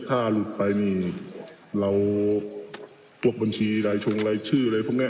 ถ้าหลุดไปนี่เราพวกบัญชีอะไรชงอะไรชื่ออะไรพวกเนี้ย